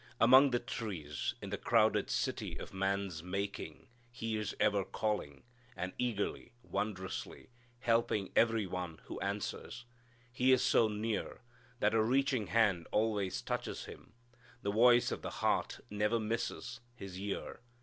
Among the trees, in the crowded city of man's making, He is ever calling, and eagerly, wondrously, helping every one who answers. He is so near that a reaching hand always touches Him. The voice of the heart never misses His ear.